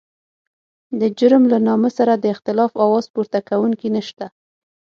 د جرم له نامه سره د اختلاف اواز پورته کوونکی نشته.